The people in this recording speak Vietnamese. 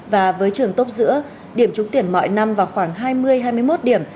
và với trường tốt giữa điểm trúng tuyển mọi năm vào khoảng hai mươi hai mươi một điểm